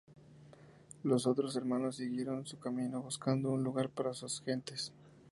Los otros hermanos siguieron su camino buscando un lugar para sus gentes.